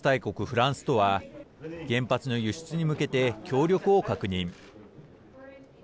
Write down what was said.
フランスとは原発の輸出に向けて協力を確認。